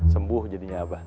sembuh jadinya abah